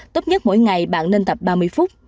tốt nhất mỗi ngày bạn nên tập ba mươi phút